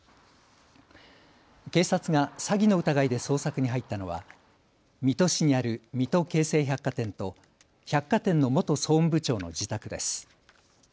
警察が詐欺の疑いで捜索に入ったのは水戸市にある水戸京成百貨店と百貨店の元総務部長の自宅です。